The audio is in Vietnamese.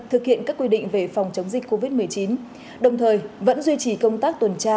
thực hiện các quy định về phòng chống dịch covid một mươi chín đồng thời vẫn duy trì công tác tuần tra